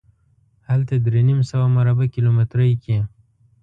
هلته درې نیم سوه مربع کیلومترۍ کې.